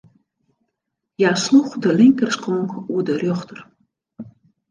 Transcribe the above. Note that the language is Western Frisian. Hja sloech de linkerskonk oer de rjochter.